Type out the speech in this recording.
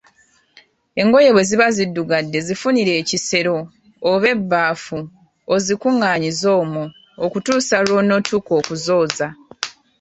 Engoye bwe ziba ziddugadde zifunire ekisero oba ebbaafu ozikunganyize omwo okutuusa lw‘onotuuka okuzooza.